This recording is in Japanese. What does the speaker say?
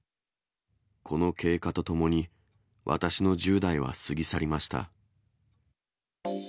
この経過とともに私の１０代は過ぎ去りました。